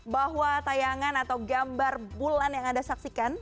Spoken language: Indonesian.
bahwa tayangan atau gambar bulan yang anda saksikan